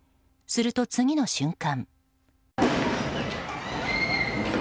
すると、次の瞬間。